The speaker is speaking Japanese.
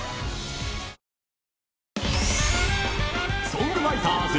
［ソングライターズ］